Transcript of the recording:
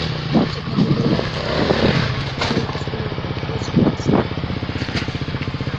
katika huduma kama vile Zimamaoto na maokozi Polisi na magari ya kubeba wagonjwa